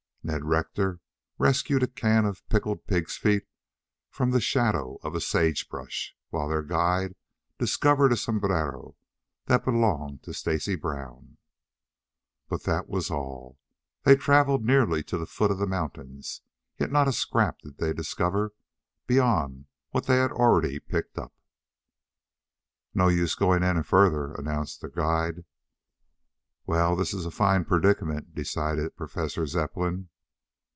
Ned Rector rescued a can of pickled pigs' feet from the shadow of a sage brush, while their guide discovered a sombrero that belonged to Stacy Brown. But that was all. They traveled nearly to the foot of the mountains, yet not a scrap did they discover beyond what they already had picked up. "No use going any further," announced the guide. "Well, this is a fine predicament," decided Professor Zepplin.